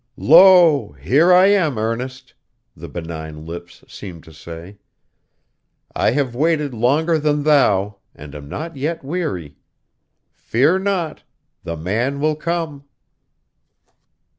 'Lo, here I am, Ernest!' the benign lips seemed to say. 'I have waited longer than thou, and am not yet weary. Fear not; the man will come.